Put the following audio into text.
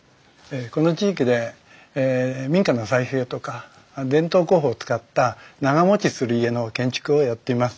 この地域で民家の再生とか伝統工法を使った長もちする家の建築をやっています。